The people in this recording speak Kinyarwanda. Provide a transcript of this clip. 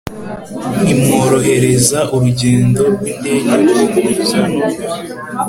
imworohereza urugendo rw indege rwo kuza no